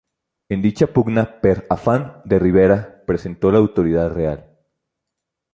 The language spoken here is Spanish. En dicha pugna Per Afán de Ribera representó la autoridad real.